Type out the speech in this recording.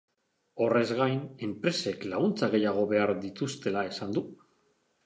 Horrez gain, enpresek laguntza gehiago behar dituztela esan du.